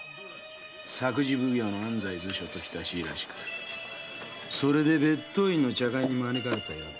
作事奉行の安西図書と親しいらしくそれで別当院の茶会に招かれたようなんで。